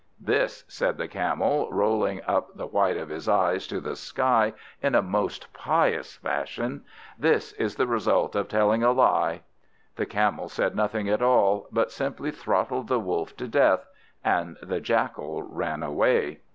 "This," said the Jackal, rolling up the whites of his eyes to the sky in a most pious fashion; "this is the result of telling a lie." The Camel said nothing at all, but simply throttled the Wolf to death, and the Jackal ran away.